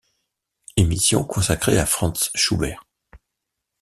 Émission consacrée à Franz Schubert.